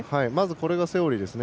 これがセオリーですね。